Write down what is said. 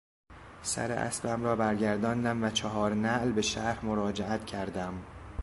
سر اسبم را برگرداندم و چهار نعل به شهر مراجعت کردم.